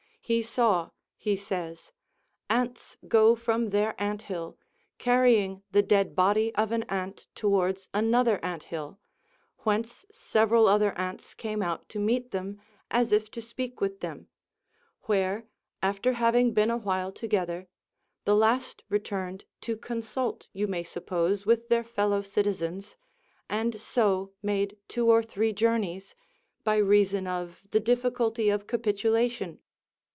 He saw, he says, "Ants go from their ant hill, carrying the dead body of an ant towards another ant hill, whence several other ants came out to meet them, as if to speak with them; where, after having been a while together, the last returned to consult, you may suppose, with their fellow citizens, and so made two or three journeys, by reason of the difficulty of capitulation.